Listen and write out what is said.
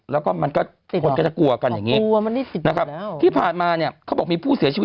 แล้วก็มันก็คนก็จะกลัวกันอย่างนี้นะครับที่ผ่านมาเนี่ยเขาบอกมีผู้เสียชีวิต